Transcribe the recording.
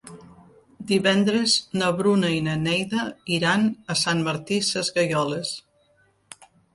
Divendres na Bruna i na Neida iran a Sant Martí Sesgueioles.